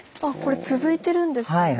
あこれ続いてるんですね。